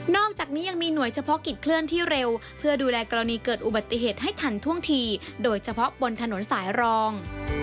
อกจากนี้ยังมีหน่วยเฉพาะกิจเคลื่อนที่เร็วเพื่อดูแลกรณีเกิดอุบัติเหตุให้ทันท่วงทีโดยเฉพาะบนถนนสายรอง